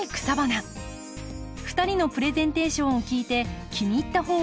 ２人のプレゼンテーションを聞いて気に入った方を是非植えてみて下さい。